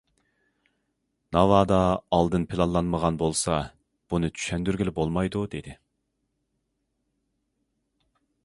ناۋادا ئالدىن پىلانلانمىغان بولسا، بۇنى چۈشەندۈرگىلى بولمايدۇ، دېدى.